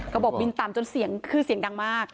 ก็บอกบินต่ำจนเสียงคือเสียงดังมาก